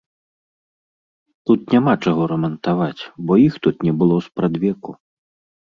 Тут няма чаго рамантаваць, бо іх тут не было спрадвеку.